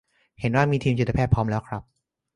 เห็นว่ามีทีมจิตแพทย์พร้อมแล้วครับ